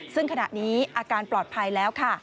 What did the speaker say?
ซึ่งขณะนี้อาการปลอดภัยแล้วค่ะ